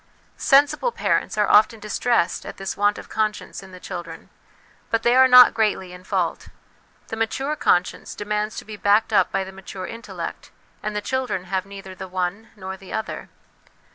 Sensible parents are often distressed at this want of conscience in the children ; but they are not greatly in fault ; the mature conscience demands to be backed up by the mature intellect, and the children have neither the one nor the other.